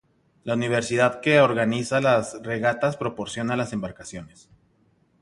La universidad que organiza las regatas proporciona las embarcaciones.